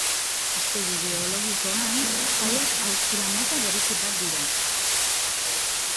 Hiztegi geologikoan, failak haustura mota berezi bat dira.